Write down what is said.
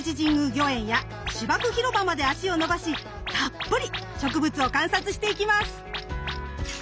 御苑や芝生広場まで足を延ばしたっぷり植物を観察していきます。